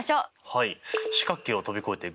はい。